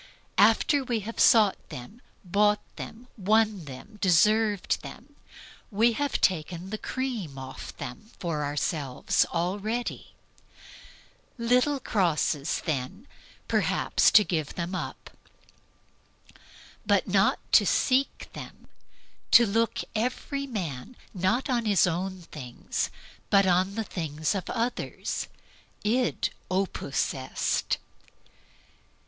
After we have sought them, bought them, won them, deserved them, we have taken the cream off them for ourselves already. Little cross then to give them up. But not to seek them, to look every man not on his own things, but on the things of others that is the difficulty.